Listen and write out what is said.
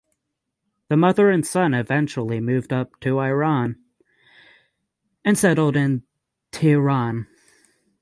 The mother and son eventually moved up to Iran and settled in Tehran.